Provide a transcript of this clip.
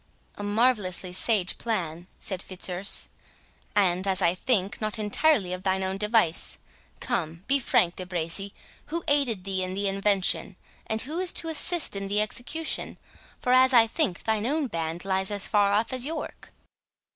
"A marvellously sage plan," said Fitzurse, "and, as I think, not entirely of thine own device.—Come, be frank, De Bracy, who aided thee in the invention? and who is to assist in the execution? for, as I think, thine own band lies as far off as York."